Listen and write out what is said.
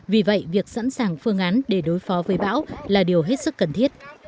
vì vậy việc sẵn sàng phương án để đối phó với bão là điều hết sức cần thiết